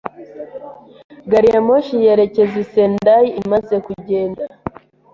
Gari ya moshi yerekeza i Sendai imaze kugenda.